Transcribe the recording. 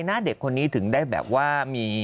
หน้าเด็กคนนี้ถึงได้แบบว่ามี